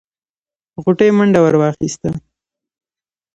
غوټۍ منډه ور واخيسته.